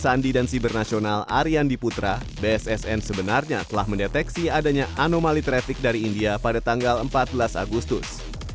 sandi dan siber nasional ariandi putra bssn sebenarnya telah mendeteksi adanya anomali trafik dari india pada tanggal empat belas agustus